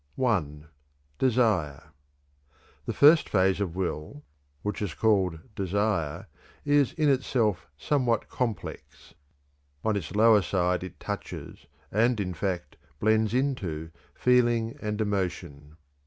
(1). DESIRE. The first phase of will, which is called "desire," is in itself somewhat complex. On its lower side it touches, and, in fact, blends into, feeling and emotion.